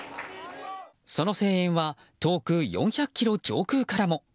その声援は遠く４００ｋｍ上空からも。